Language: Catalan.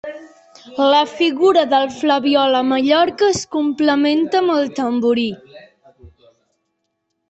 La figura del flabiol a Mallorca es complementa amb el tamborí.